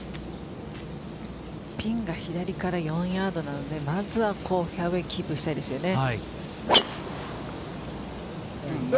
ピンが左から４ヤードなのでまずはフェアウエーキープしたいですよね。